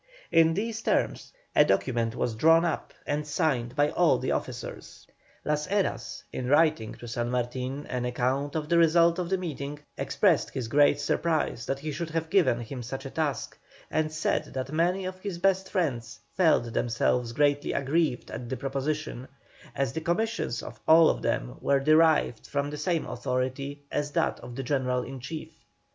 In these terms a document was drawn up and signed by all the officers. Las Heras, in writing to San Martin an account of the result of the meeting, expressed his great surprise that he should have given him such a task, and said that many of his best friends felt themselves greatly aggrieved at the proposition, as the commissions of all of them were derived from the same authority as that of the General in Chief.